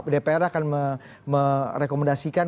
dpr akan merekomendasikan